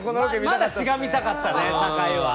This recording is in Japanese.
まだしがみたかったね酒井は。